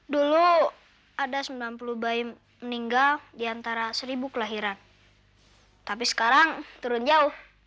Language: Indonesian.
dulu ada sembilan puluh bayi meninggal di antara seribu kelahiran tapi sekarang turun jauh